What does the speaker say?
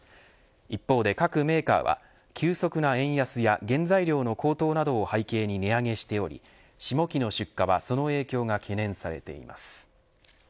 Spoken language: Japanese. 一方で各メーカーは急速な円安や原材料の高騰などを背景に値上げしており下期の出荷は、その影響が懸念されています。